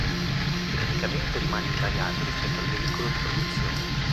Tecnicamente rimane invariato rispetto al veicolo di produzione.